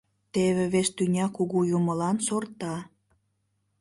Теве Вес Тӱня Кугу Юмылан сорта...